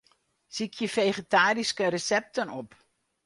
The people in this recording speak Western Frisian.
Sykje fegetaryske resepten op.